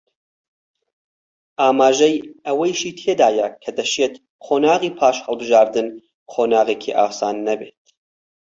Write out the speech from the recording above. ئاماژەی ئەوەیشی تێدایە کە دەشێت قۆناغی پاش هەڵبژاردن قۆناغێکی ئاسان نەبێت